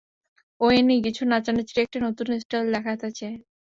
ওয়েনি, কিছু নাচানাচির একটা নতুন স্টাইল দেখাতে চায়।